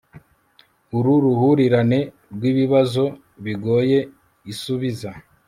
uru ruhurirane rw'ibibazo bigoye isubiza